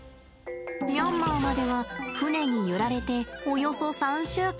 ミャンマーまでは船に揺られておよそ３週間。